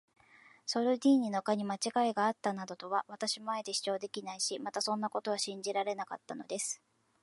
ソルディーニの課にまちがいがあったなどとは、私もあえて主張できないし、またそんなことは信じられなかったのです。